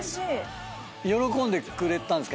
喜んでくれたんすか？